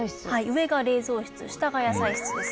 上が冷蔵室下が野菜室ですね。